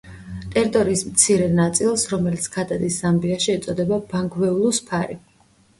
ტერიტორიის მცირე ნაწილს, რომელიც გადადის ზამბიაში, ეწოდება ბანგვეულუს ფარი.